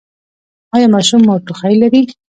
ایا ماشوم مو ټوخی لري؟